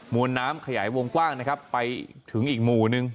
วนน้ำขยายวงกว้างนะครับไปถึงอีกหมู่นึง